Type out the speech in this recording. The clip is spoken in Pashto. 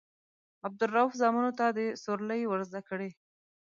عبدالروف زامنو ته سورلۍ ورزده کړي.